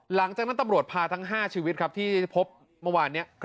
หลังจากนั้นตำรวจพาทั้ง๕ชีวิตครับที่พบเมื่อวานนี้